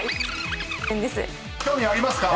［興味ありますか？］